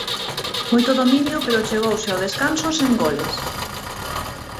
Moito dominio pero chegouse ao descanso sen goles.